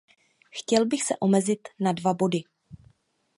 Chtěl bych se omezit na dva body.